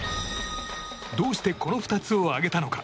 どうしてこの２つを挙げたのか。